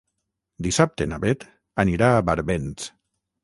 Dissabte na Bet anirà a Barbens.